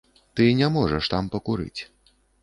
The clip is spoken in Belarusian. Ты не можаш там пакурыць.